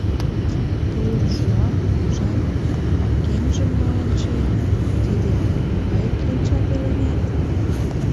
Толын шуам, ужам — а кемжым молан чиенат, тиде могай кленча пеленет?